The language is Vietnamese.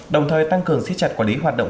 đồng thời tăng cường siết chặt quản lý hoạt động